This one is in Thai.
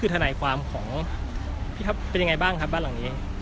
คือทนายความของพี่ท็อปเป็นยังไงบ้างครับบ้านหลังนี้